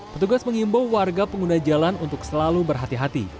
petugas mengimbau warga pengguna jalan untuk selalu berhati hati